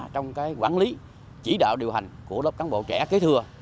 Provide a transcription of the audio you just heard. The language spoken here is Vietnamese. trong quản lý chỉ đạo điều hành của lớp cán bộ trẻ kế thừa